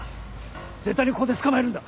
絶対にここで捕まえるんだ！